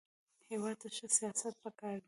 هېواد ته ښه سیاست پکار دی